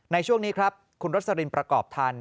ในช่วงนี้ครับคุณรสลินประกอบทัน